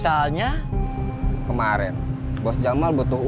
hayat siksi disini ab drip dan weitere ingin mesures yang muliacciones